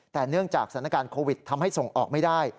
แต่เนื่องจากสถานการณ์โควิดทำให้ส่งออกไม่ได้